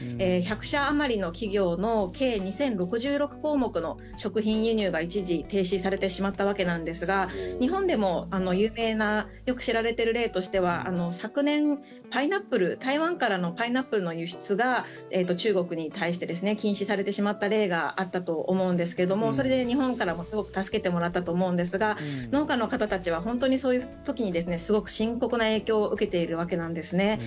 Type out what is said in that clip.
１００社あまりの企業の計２０６６項目の食品輸入が一時停止されてしまったわけですが日本でも有名なよく知られている例としては昨年、パイナップル台湾からのパイナップルの輸出が中国に対して禁止されてしまった例があったと思うんですけれどもそれで日本からもすごく助けてもらったと思うんですが農家の方たちは本当にそういう時にすごく深刻な影響を受けているわけなんですね。